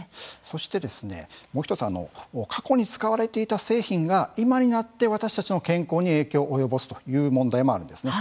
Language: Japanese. そして、もう１つ過去に使われていた製品が今になって私たちの健康に影響を及ぼすという問題もあるんですね。